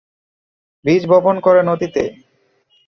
বীজ বপন করেন অতীতে।